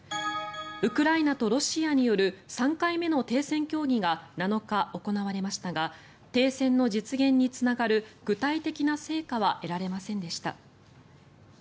ウクライナとロシアによる３回目の停戦協定が７日、行われましたが停戦の実現につながる具体的な成果は得られませんでした。